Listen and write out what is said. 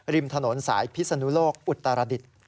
ริมถนนสายพิสนุโลกอุตรฤด